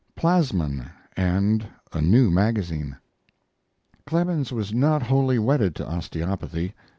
PLASMON, AND A NEW MAGAZINE Clemens was not wholly wedded to osteopathy.